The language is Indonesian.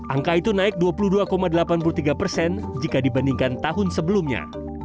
angka itu naik dua puluh dua delapan puluh tiga persen jika dibandingkan tahun sebelumnya